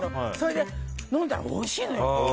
でも飲んだらおいしいのよ。